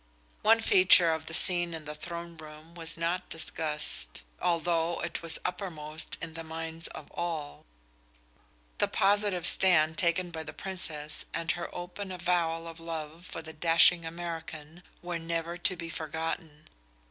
One feature of the scene in the throne room was not discussed, although it was uppermost in the minds of all. The positive stand taken by the Princess and her open avowal of love for the dashing American were never to be forgotten.